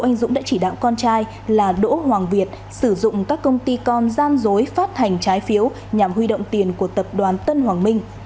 đỗ anh dũng đã chỉ đạo con trai là đỗ hoàng việt sử dụng các công ty con gian dối phát hành trái phiếu nhằm huy động tiền của tập đoàn tân hoàng minh